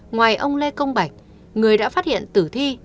ngoài ông lê công bạch người đã phát hiện tử thi